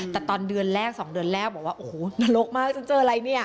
แต่ตอนเดือนแรก๒เดือนแรกบอกว่าโอ้โหนรกมากฉันเจออะไรเนี่ย